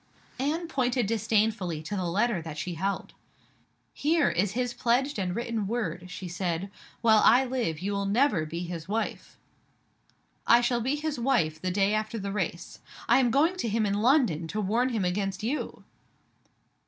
Anne pointed disdainfully to the letter that she held. "Here is his pledged and written word," she said. "While I live, you will never be his wife." "I shall be his wife the day after the race. I am going to him in London to warn him against You!"